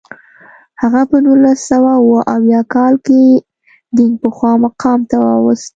هغه په نولس سوه اووه اویا کال کې دینګ پخوا مقام ته راوست.